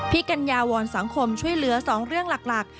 กัญญาวอนสังคมช่วยเหลือ๒เรื่องหลัก